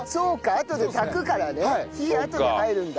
あとで炊くからね火あとで入るんだ。